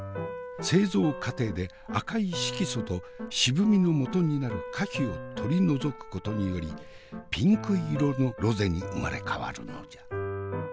製造過程で赤い色素と渋みのもとになる果皮を取り除くことによりピンク色のロゼに生まれ変わるのじゃ。